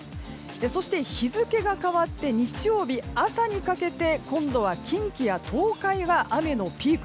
そして日付が変わって日曜日朝にかけて今度は近畿や東海が雨のピーク。